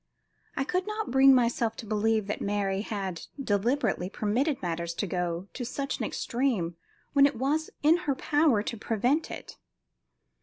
I could not bring myself to believe that Mary had deliberately permitted matters to go to such an extreme when it was in her power to prevent it.